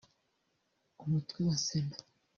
umutwe wa Sena